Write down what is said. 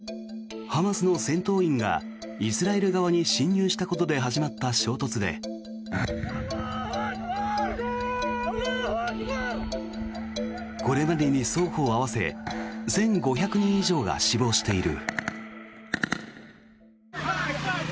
７日パレスチナ・ガザ地区からのロケット弾による砲撃とハマスの戦闘員がイスラエル側に侵入したことで始まった衝突でこれまでに双方合わせ１５００人以上が死亡している。